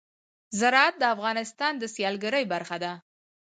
زراعت د افغانستان د سیلګرۍ برخه ده.